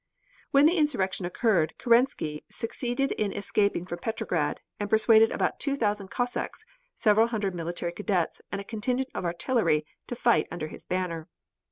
When the insurrection occurred, Kerensky succeeded in escaping from Petrograd, and persuaded about two thousand Cossacks, several hundred Military Cadets, and a contingent of Artillery, to fight under his banner.